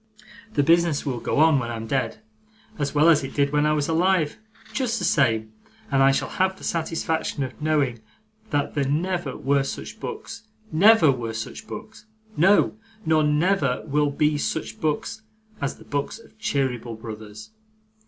The business will go on, when I'm dead, as well as it did when I was alive just the same and I shall have the satisfaction of knowing that there never were such books never were such books! No, nor never will be such books as the books of Cheeryble Brothers.